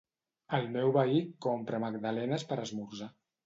El meu veí compra magdalenes per esmorzar